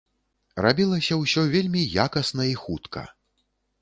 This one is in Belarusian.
Рабілася ўсё вельмі якасна і хутка.